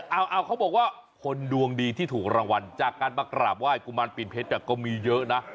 เอาเขาบอกว่าคนดวงดีที่ถูกรางวัลจากการมากราบไห้กุมารปีนเพชรก็มีเยอะนะ